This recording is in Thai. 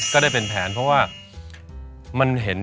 ได้เป็นแผนเพราะว่ามันเห็น